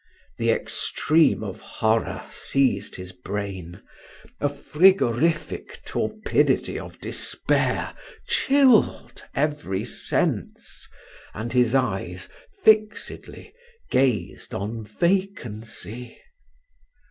The extreme of horror seized his brain a frigorific torpidity of despair chilled every sense, and his eyes, fixedly, gazed on vacancy.